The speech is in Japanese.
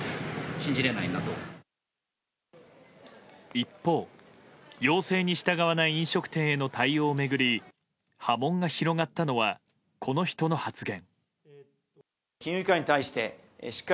一方、要請に従わない飲食店への対応を巡り波紋が広がったのはこの人の発言。